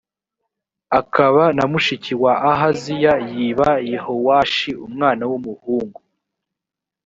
akaba na mushiki wa ahaziya yiba yehowashi umwana w’umuhungu